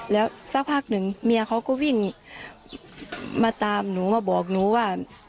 แล้วสักพักหนึ่งเมียเขาก็วิ่งมาตามหนูมาบอกหนูว่า